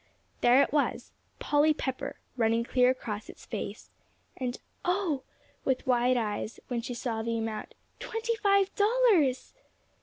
There it was, "Polly Pepper," running clear across its face. And "Oh!" with wide eyes, when she saw the amount, "twenty five dollars!"